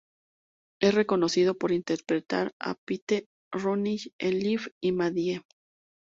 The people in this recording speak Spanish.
Es conocido por interpretar a Pete Rooney en "Liv y Maddie".